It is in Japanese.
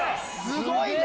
すごいな！